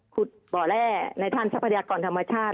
คุดเบรอร์แลร์ในท่านทรัพยากรธรรมชาติ